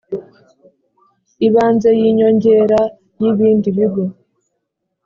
ibanze y inyongera y ibindi bigo